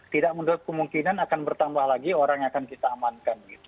tidak menurut kemungkinan akan bertambah lagi orang yang akan kita amankan